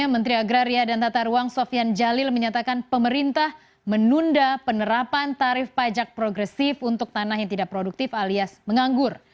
menteri agraria dan tata ruang sofian jalil menyatakan pemerintah menunda penerapan tarif pajak progresif untuk tanah yang tidak produktif alias menganggur